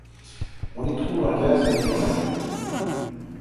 On y trouve aussi du gaz naturel.